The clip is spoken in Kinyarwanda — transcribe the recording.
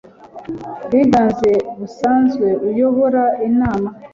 bwiganze busanzwe uyobora inama